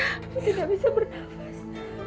aku tidak bisa bernafas